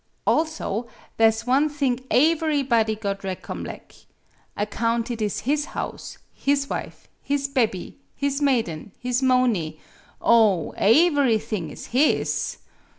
"Also, tha' 's one thing aeverybody got recomleck account it is his house, his wife, his bebby, his maiden, his moaney oh, aeverythmg is his!